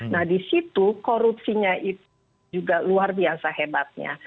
nah di situ korupsinya itu juga luar biasa hebatnya